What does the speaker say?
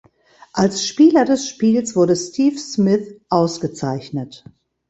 Als Spieler des Spiels wurde Steve Smith ausgezeichnet.